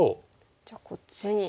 じゃあこっちに。